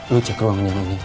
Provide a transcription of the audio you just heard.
lo cek ruangannya ini